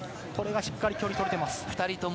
しっかり距離が取れています。